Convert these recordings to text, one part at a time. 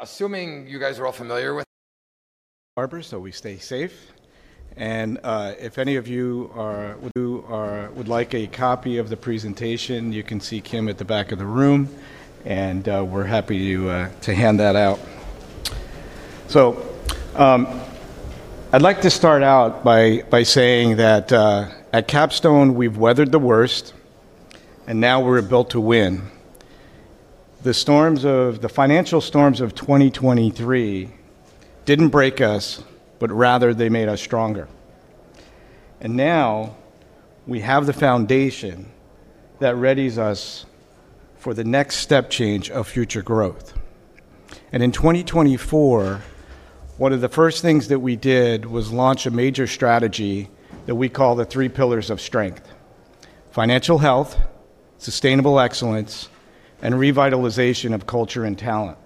Assuming you guys are all familiar with the webinar, we stay safe. If any of you would like a copy of the presentation, you can see Kim at the back of the room, and we're happy to hand that out. I'd like to start out by saying that at Capstone, we've weathered the worst, and now we're built to win. The financial storms of 2023 didn't break us, but rather they made us stronger. Now we have the foundation that readies us for the next step change of future growth. In 2024, one of the first things that we did was launch a major strategy that we call the three pillars of strength: financial health, sustainable excellence, and revitalization of culture and talent.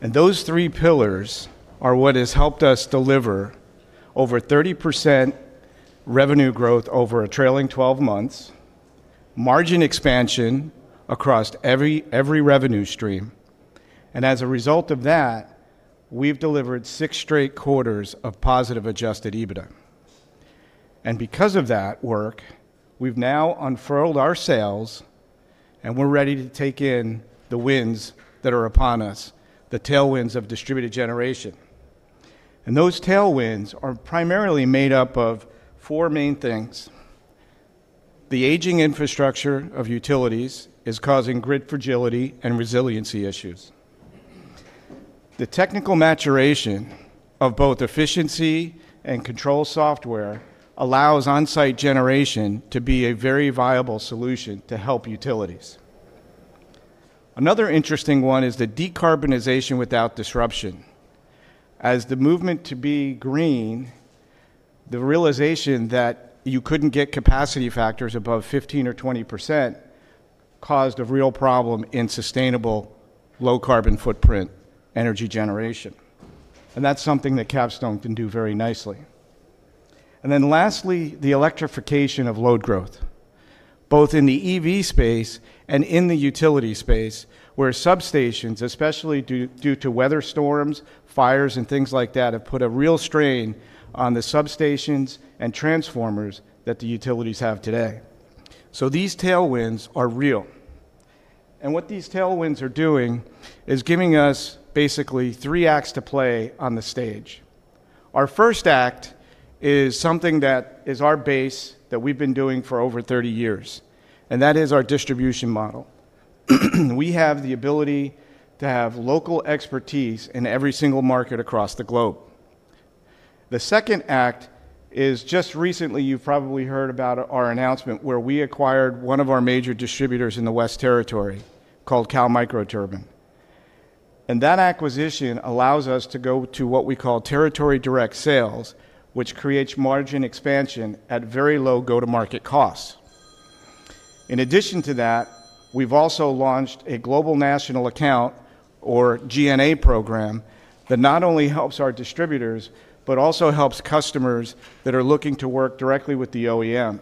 Those three pillars are what has helped us deliver over 30% revenue growth over a trailing 12 months, margin expansion across every revenue stream. As a result of that, we've delivered six straight quarters of positive adjusted EBITDA. Because of that work, we've now unfurled our sales, and we're ready to take in the winds that are upon us, the tailwinds of distributed generation. Those tailwinds are primarily made up of four main things. The aging infrastructure of utilities is causing grid fragility and resiliency issues. The technical maturation of both efficiency and control software allows onsite generation to be a very viable solution to help utilities. Another interesting one is the decarbonization without disruption. As the movement to be green, the realization that you couldn't get capacity factors above 15% or 20% caused a real problem in sustainable low carbon footprint energy generation. That's something that Capstone can do very nicely. Lastly, the electrification of load growth, both in the EV space and in the utility space, where substations, especially due to weather storms, fires, and things like that, have put a real strain on the substations and transformers that the utilities have today. These tailwinds are real. What these tailwinds are doing is giving us basically three acts to play on the stage. Our first act is something that is our base that we've been doing for over 30 years, and that is our distribution model. We have the ability to have local expertise in every single market across the globe. The second act is just recently, you've probably heard about our announcement where we acquired one of our major distributors in the West Territory called Cal Microturbine. That acquisition allows us to go to what we call territory direct sales, which creates margin expansion at very low go-to-market costs. In addition to that, we've also launched a Global National Account, or GNA, program that not only helps our distributors, but also helps customers that are looking to work directly with the OEM.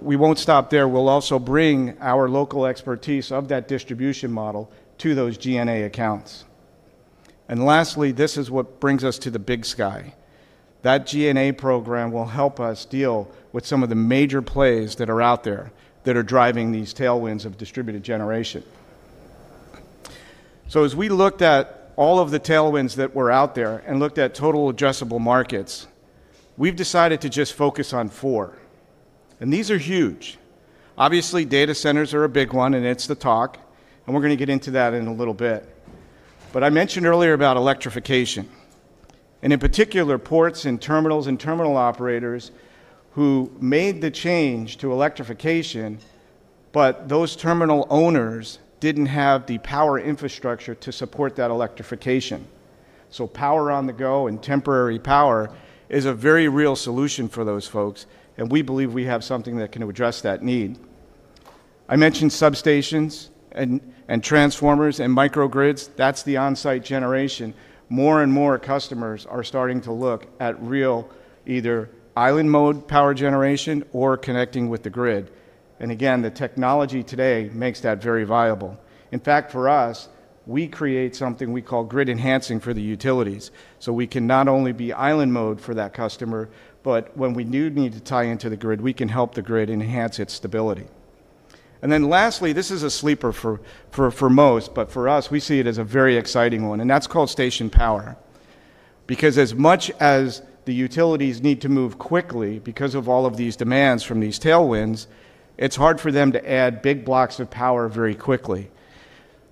We won't stop there. We'll also bring our local expertise of that distribution model to those GNA accounts. Lastly, this is what brings us to the big sky. That GNA program will help us deal with some of the major plays that are out there that are driving these tailwinds of distributed generation. As we looked at all of the tailwinds that were out there and looked at total addressable markets, we've decided to just focus on four. These are huge. Obviously, data centers are a big one, and it's the talk. We're going to get into that in a little bit. I mentioned earlier about electrification, and in particular ports and terminals and terminal operators who made the change to electrification, but those terminal owners didn't have the power infrastructure to support that electrification. Power on the go and temporary power is a very real solution for those folks. We believe we have something that can address that need. I mentioned substations and transformers and microgrids. That's the onsite generation. More and more customers are starting to look at real either island mode power generation or connecting with the grid. The technology today makes that very viable. In fact, for us, we create something we call grid enhancing for the utilities. We can not only be island mode for that customer, but when we do need to tie into the grid, we can help the grid enhance its stability. Lastly, this is a sleeper for most, but for us, we see it as a very exciting one. That's called station power. As much as the utilities need to move quickly because of all of these demands from these tailwinds, it's hard for them to add big blocks of power very quickly.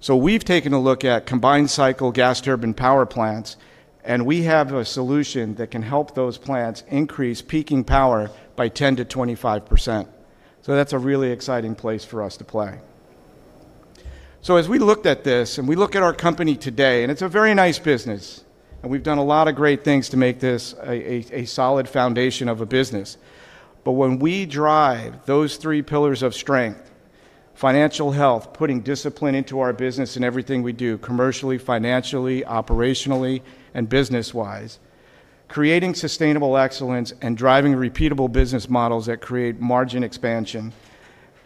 We've taken a look at combined cycle gas turbine power plants, and we have a solution that can help those plants increase peaking power by 10% to 25%. That's a really exciting place for us to play. As we looked at this and we look at our company today, it's a very nice business, and we've done a lot of great things to make this a solid foundation of a business. When we drive those three pillars of strength: financial health, putting discipline into our business and everything we do commercially, financially, operationally, and business-wise, creating sustainable excellence and driving repeatable business models that create margin expansion,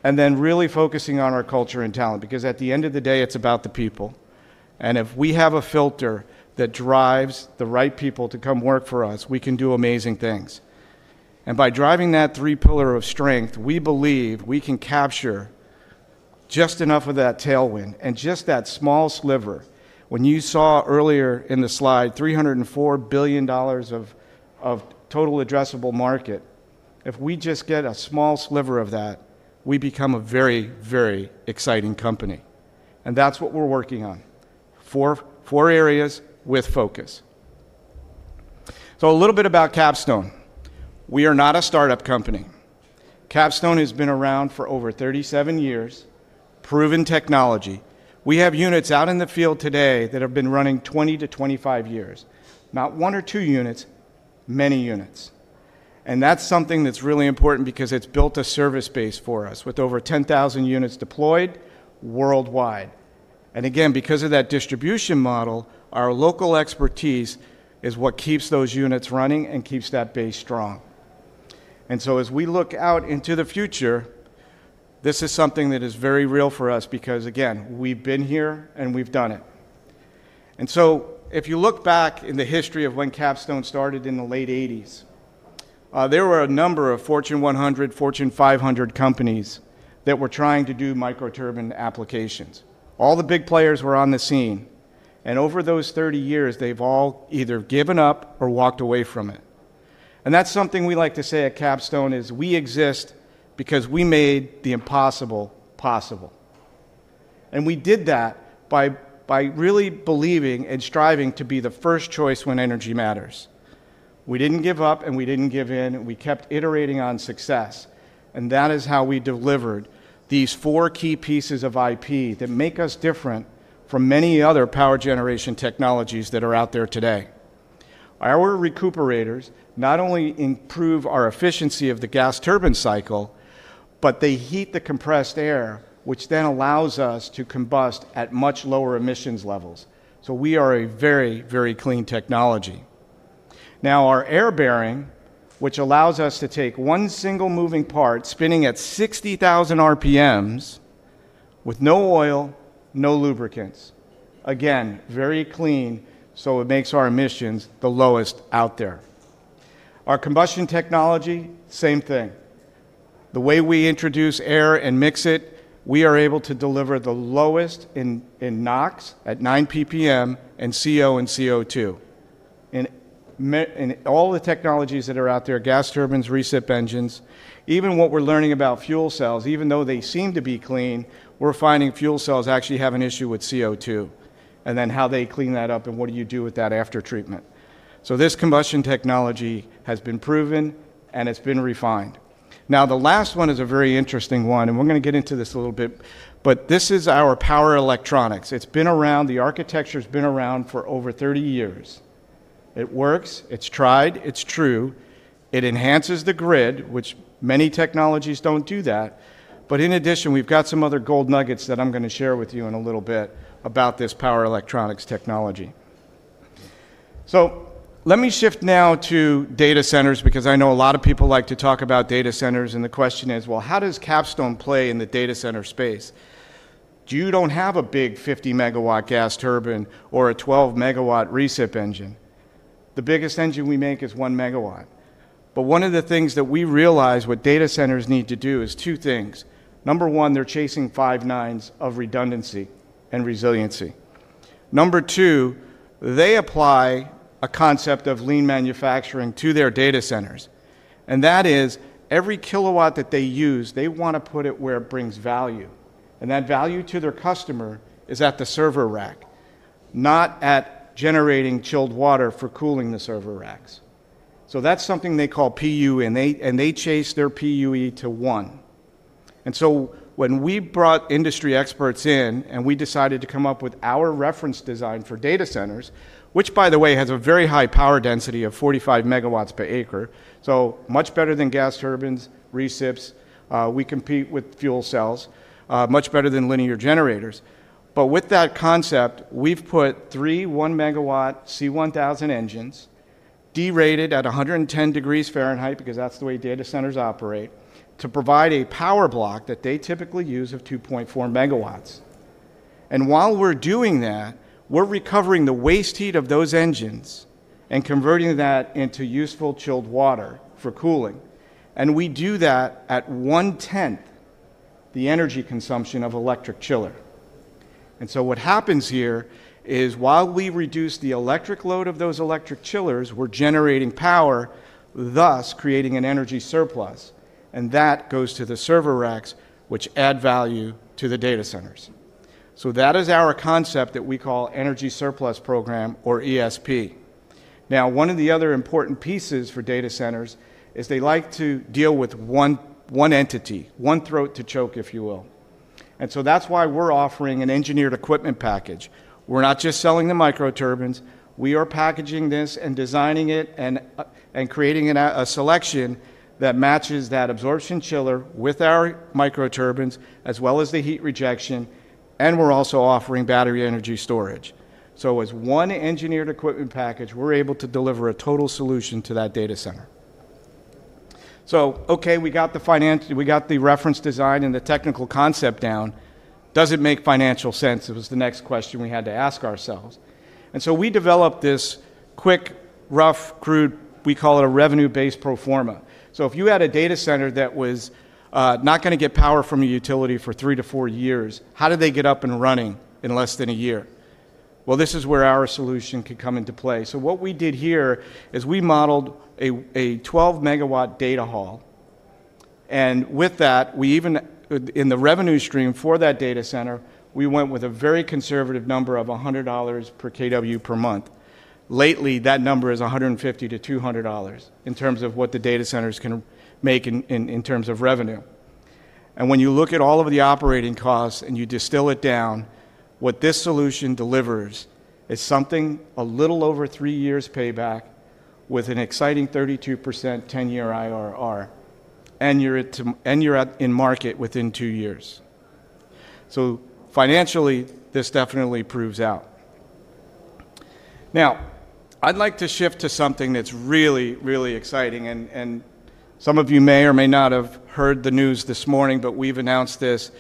and really focusing on our culture and talent. At the end of the day, it's about the people. If we have a filter that drives the right people to come work for us, we can do amazing things. By driving that three pillar of strength, we believe we can capture just enough of that tailwind and just that small sliver. When you saw earlier in the slide $304 billion of total addressable market, if we just get a small sliver of that, we become a very, very exciting company. That's what we're working on. Four areas with focus. A little bit about Capstone. We are not a startup company. Capstone has been around for over 37 years, proven technology. We have units out in the field today that have been running 20 to 25 years, not one or two units, many units. That's something that's really important because it's built a service base for us with over 10,000 units deployed worldwide. Because of that distribution model, our local expertise is what keeps those units running and keeps that base strong. As we look out into the future, this is something that is very real for us because we've been here and we've done it. If you look back in the history of when Capstone started in the late 1980s, there were a number of Fortune 100, Fortune 500 companies that were trying to do microturbine applications. All the big players were on the scene. Over those 30 years, they've all either given up or walked away from it. That's something we like to say at Capstone is, we exist because we made the impossible possible. We did that by really believing and striving to be the first choice when energy matters. We didn't give up and we didn't give in. We kept iterating on success. That is how we delivered these four key pieces of IP that make us different from many other power generation technologies that are out there today. Our proprietary recuperators not only improve our efficiency of the gas turbine cycle, but they heat the compressed air, which then allows us to combust at much lower emissions levels. We are a very, very clean technology. Now our air bearing, which allows us to take one single moving part spinning at 60,000 RPMs with no oil, no lubricants, again, very clean. It makes our emissions the lowest out there. Our combustion technology, same thing. The way we introduce air and mix it, we are able to deliver the lowest in NOx at 9 PPM and CO and CO2. All the technologies that are out there, gas turbines, recip engines, even what we're learning about fuel cells, even though they seem to be clean, we're finding fuel cells actually have an issue with CO2 and then how they clean that up and what you do with that after treatment. This combustion technology has been proven and it's been refined. The last one is a very interesting one, and we're going to get into this a little bit, but this is our power electronics. It's been around. The architecture has been around for over 30 years. It works. It's tried. It's true. It enhances the grid, which many technologies don't do. In addition, we've got some other gold nuggets that I'm going to share with you in a little bit about this power electronics technology. Let me shift now to data centers because I know a lot of people like to talk about data centers. The question is, how does Capstone play in the data center space? You don't have a big 50 megawatt gas turbine or a 12 megawatt recip engine. The biggest engine we make is one megawatt. One of the things that we realize data centers need to do is two things. Number one, they're chasing five nines of redundancy and resiliency. Number two, they apply a concept of lean manufacturing to their data centers. That is, every kilowatt that they use, they want to put it where it brings value. That value to their customer is at the server rack, not at generating chilled water for cooling the server racks. That's something they call PUE, and they chase their PUE to one. When we brought industry experts in and we decided to come up with our reference design for data centers, which by the way has a very high power density of 45 megawatts per acre, so much better than gas turbines, recips, we compete with fuel cells, much better than linear generators. With that concept, we've put three one megawatt C1000 engines derated at 110 degrees Fahrenheit because that's the way data centers operate to provide a power block that they typically use of 2.4 megawatts. While we're doing that, we're recovering the waste heat of those engines and converting that into useful chilled water for cooling. We do that at one tenth the energy consumption of an electric chiller. What happens here is while we reduce the electric load of those electric chillers, we're generating power, thus creating an energy surplus. That goes to the server racks, which add value to the data centers. That is our concept that we call Energy Surplus Program or ESP. One of the other important pieces for data centers is they like to deal with one entity, one throat to choke, if you will. That's why we're offering an engineered equipment package. We're not just selling the microturbines. We are packaging this and designing it and creating a selection that matches that absorption chiller with our microturbines as well as the heat rejection. We're also offering battery energy storage. As one engineered equipment package, we're able to deliver a total solution to that data center. We got the reference design and the technical concept down. Does it make financial sense? It was the next question we had to ask ourselves. We developed this quick, rough, crude, we call it a revenue-based pro forma. If you had a data center that was not going to get power from a utility for three to four years, how did they get up and running in less than a year? This is where our solution could come into play. What we did here is we modeled a 12 megawatt data hall. With that, even in the revenue stream for that data center, we went with a very conservative number of $100 per kW per month. Lately, that number is $150 to $200 in terms of what the data centers can make in terms of revenue. When you look at all of the operating costs and you distill it down, what this solution delivers is something a little over three years payback with an exciting 32% 10-year IRR. You're in market within two years. Financially, this definitely proves out. I'd like to shift to something that's really, really exciting. Some of you may or may not have heard the news this morning, but we've announced this.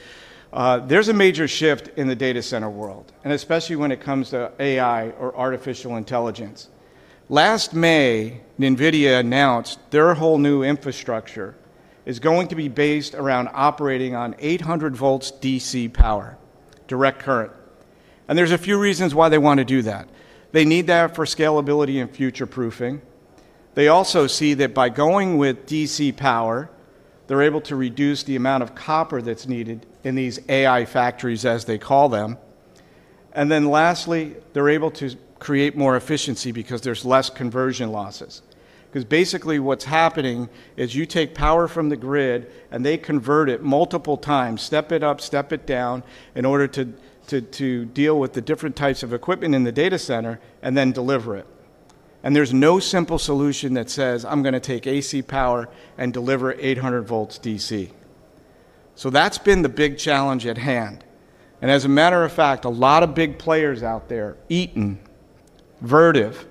There's a major shift in the data center world, and especially when it comes to AI or artificial intelligence. Last May, NVIDIA announced their whole new infrastructure is going to be based around operating on 800-volt DC power, direct current. There are a few reasons why they want to do that. They need that for scalability and future proofing. They also see that by going with DC power, they're able to reduce the amount of copper that's needed in these AI factories, as they call them. Lastly, they're able to create more efficiency because there's less conversion losses. Basically, what's happening is you take power from the grid and they convert it multiple times, step it up, step it down in order to deal with the different types of equipment in the data center and then deliver it. There's no simple solution that says I'm going to take AC power and deliver 800 volts DC. That's been the big challenge at hand. As a matter of fact, a lot of big players out there, Eaton, Vertiv,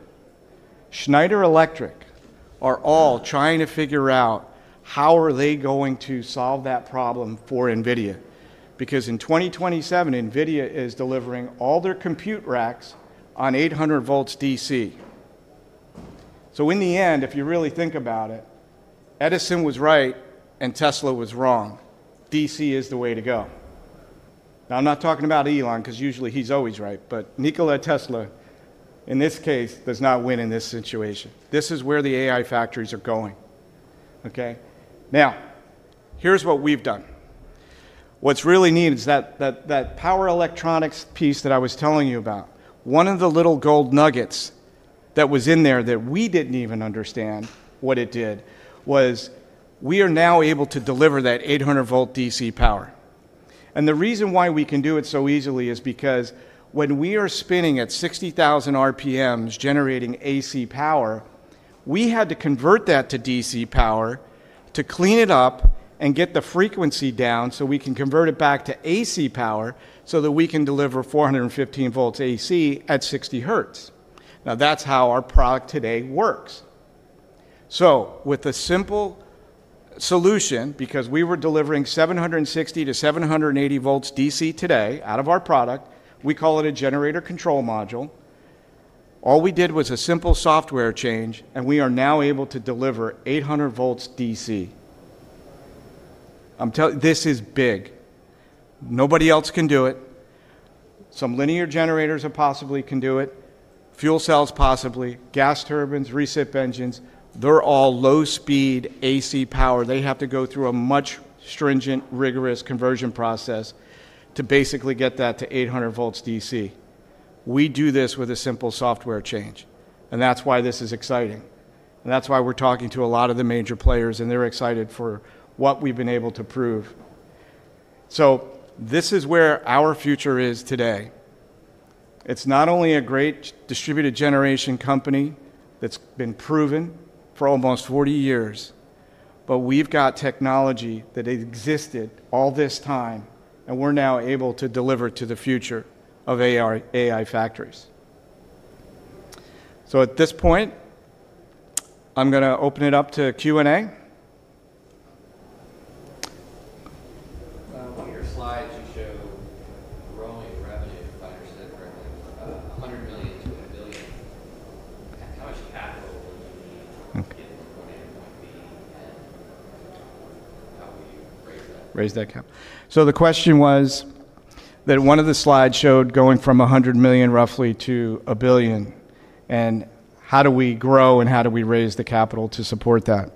Schneider Electric, are all trying to figure out how they are going to solve that problem for NVIDIA. In 2027, NVIDIA is delivering all their compute racks on 800 volts DC. In the end, if you really think about it, Edison was right and Tesla was wrong. DC is the way to go. Now, I'm not talking about Elon because usually he's always right, but Nikola Tesla in this case does not win in this situation. This is where the AI factories are going. Now, here's what we've done. What's really neat is that power electronics piece that I was telling you about. One of the little gold nuggets that was in there that we didn't even understand what it did was we are now able to deliver that 800 volt DC power. The reason why we can do it so easily is because when we are spinning at 60,000 RPMs generating AC power, we had to convert that to DC power to clean it up and get the frequency down so we can convert it back to AC power so that we can deliver 415 volts AC at 60 hertz. That's how our product today works. With a simple solution, because we were delivering 760 to 780 volts DC today out of our product, we call it a generator control module. All we did was a simple software change and we are now able to deliver 800 volts DC. This is big. Nobody else can do it. Some linear generators possibly can do it. Fuel cells possibly. Gas turbines, reset engines. They're all low speed AC power. They have to go through a much stringent, rigorous conversion process to basically get that to 800 volts DC. We do this with a simple software change. That's why this is exciting. That's why we're talking to a lot of the major players and they're excited for what we've been able to prove. This is where our future is today. It's not only a great distributed generation company that's been proven for almost 40 years, but we've got technology that existed all this time, and we're now able to deliver to the future of AI factories. At this point, I'm going to open it up to Q&A. On your slides can show growing revenue, if I understood correctly, $100 million to $1 billion. How much capital will you need to get it to point A to point B? How will you raise that? Raise that capital. The question was that one of the slides showed going from $100 million roughly to $1 billion. How do we grow and how do we raise the capital to support that?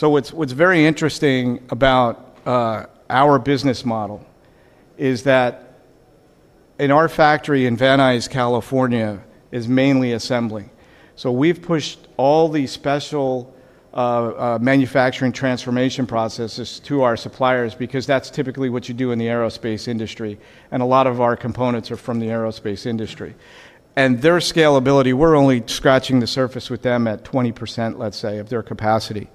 What's very interesting about our business model is that in our factory in Van Nuys, California, it is mainly assembly. We've pushed all the special manufacturing transformation processes to our suppliers because that's typically what you do in the aerospace industry. A lot of our components are from the aerospace industry. Their scalability, we're only scratching the surface with them at 20% of their capacity.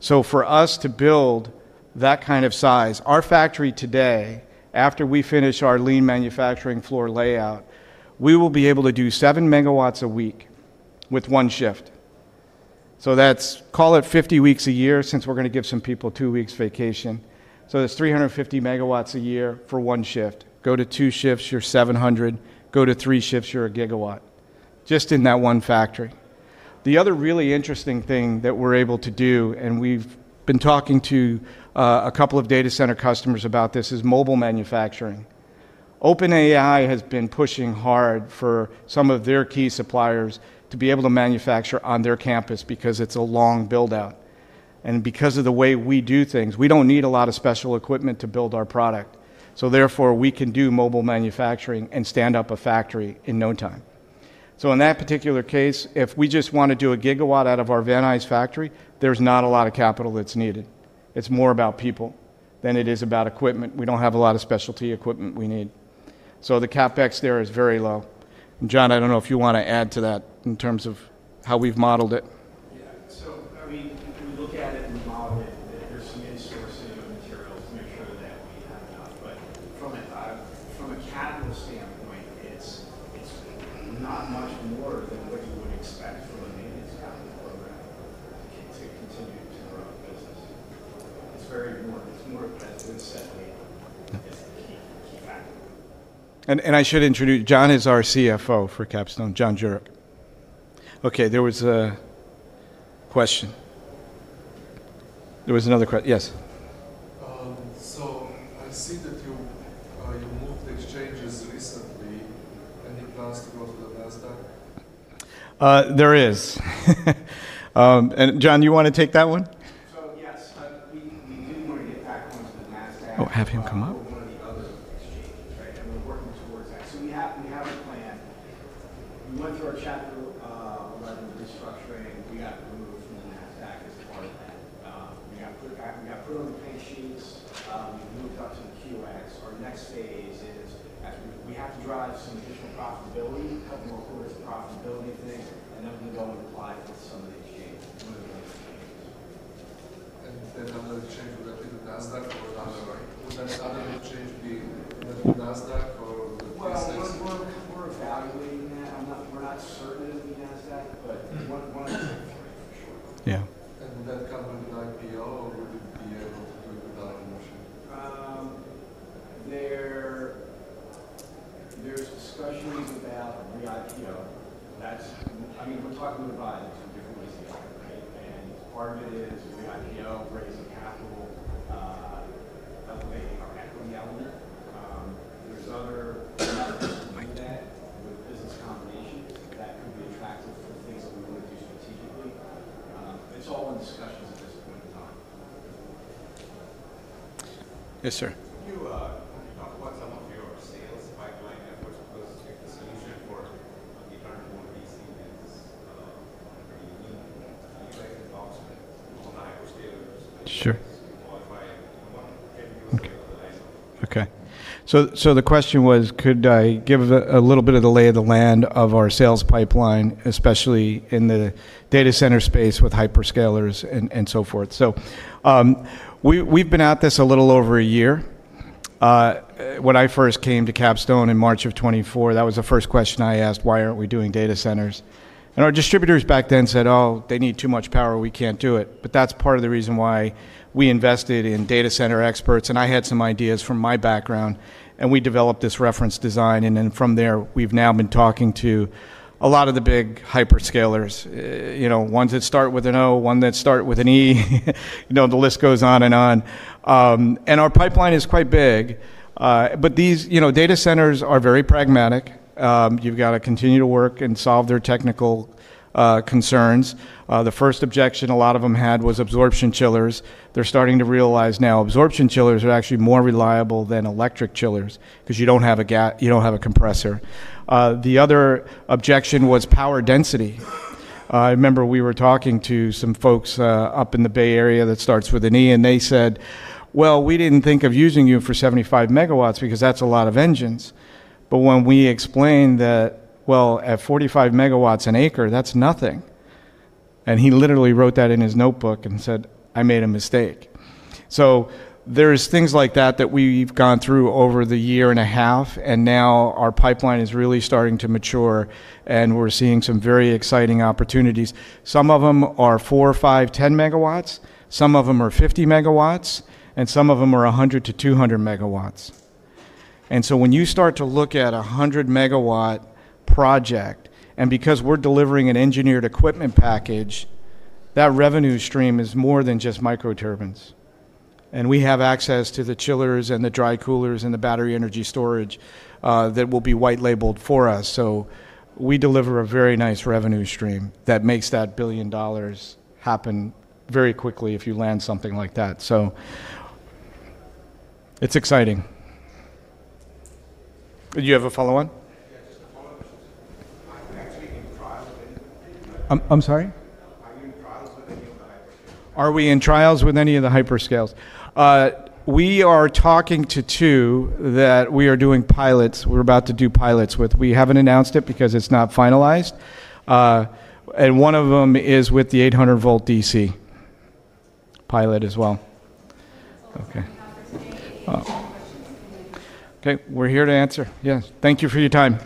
For us to build that kind of size, our factory today, after we finish our lean manufacturing floor layout, we will be able to do seven megawatts a week with one shift. Call it 50 weeks a year since we're going to give some people two weeks vacation. That's 350 megawatts a year for one shift. Go to two shifts, you're 700. Go to three shifts, you're a gigawatt just in that one factory. The other really interesting thing that we're able to do, and we've been talking to a couple of data center customers about this, is mobile manufacturing. OpenAI has been pushing hard for some of their key suppliers to be able to manufacture on their campus because it's a long build-out. Because of the way we do things, we don't need a lot of special equipment to build our product. Therefore, we can do mobile manufacturing and stand up a factory in no time. In that particular case, if we just want to do a gigawatt out of our Van Nuys factory, there's not a lot of capital that's needed. It's more about people than it is about equipment. We don't have a lot of specialty equipment we need. The CapEx there is very low. John, I don't know if you want to add to that in terms of how we've modeled it. Yeah, we look at it and we model it. There's some insourcing of materials to make sure that we have enough. From a capital standpoint, it's not much more than what you would expect from a maintenance capital program to continue to grow the business. It's more, as you had said lately, it's the key factor. I should introduce John, who is our CFO for Capstone, John Juric. There was a question. There was another question. Yes. I see that you moved exchanges recently. Any plans to go to the NASDAQ? There is. John, you want to take that one? Yes, we do want to get back onto the NASDAQ. Oh, have him come up? Can you talk about some of your sales pipeline efforts post-execution? The turnover DC is pretty unique. Are you guys in talks with some hyperscalers? Sure. If I want to give you a lay of the land. Okay. The question was, could I give a little bit of the lay of the land of our sales pipeline, especially in the data center space with hyperscalers and so forth? We've been at this a little over a year. When I first came to Capstone in March of 2024, that was the first question I asked. Why aren't we doing data centers? Our distributors back then said, oh, they need too much power. We can't do it. That is part of the reason why we invested in data center experts. I had some ideas from my background. We developed this reference design. From there, we've now been talking to a lot of the big hyperscalers, you know, ones that start with an O, one that starts with an E, the list goes on and on. Our pipeline is quite big. These data centers are very pragmatic. You've got to continue to work and solve their technical concerns. The first objection a lot of them had was absorption chillers. They're starting to realize now absorption chillers are actually more reliable than electric chillers because you don't have a compressor. The other objection was power density. I remember we were talking to some folks up in the Bay Area that start with an E, and they said, we didn't think of using you for 75 megawatts because that's a lot of engines. When we explained that at 45 megawatts an acre, that's nothing. He literally wrote that in his notebook and said, I made a mistake. There are things like that that we've gone through over the year and a half. Now our pipeline is really starting to mature. We're seeing some very exciting opportunities. Some of them are four, five, ten megawatts. Some of them are 50 megawatts. Some of them are 100 to 200 megawatts. When you start to look at a 100 megawatt project, and because we're delivering an engineered equipment package, that revenue stream is more than just microturbines. We have access to the chillers and the dry coolers and the battery energy storage that will be white labeled for us. We deliver a very nice revenue stream that makes that billion dollars happen very quickly if you land something like that. It's exciting. Did you have a follow-on? Yeah, just a follow-on question. Are you actually in trials with any of the hyperscalers? I'm sorry? Are you in trials with any of the hyperscalers? Are we in trials with any of the hyperscalers? We are talking to two that we are doing pilots with. We're about to do pilots with them. We haven't announced it because it's not finalized, and one of them is with the 800-volt DC pilot as well. Okay. Okay, we're here to answer. Yes, thank you for your time.